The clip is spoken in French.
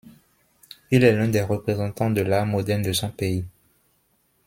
Il est l'un des représentants de l'art moderne de son pays.